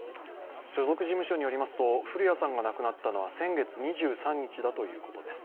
所属事務所によりますと古谷さんが亡くなったのは先月２３日だということです。